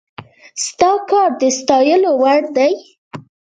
ستا کار د ستايلو وړ دی